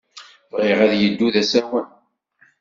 Bɣiɣ ad yeddu d asawen.